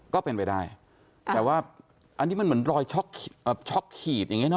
ก็เป็นไปได้แต่ว่าอันนี้มันเหมือนรอยช็อกช็อกขีดอย่างนี้เน